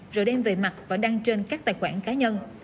rồi đem về mặt và đăng trên các tài khoản cá nhân